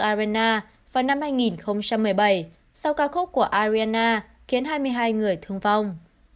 và vụ đánh bom liều tại manchester arena vào năm hai nghìn một mươi bảy sau ca khúc của ariana khiến hai mươi hai người thương vong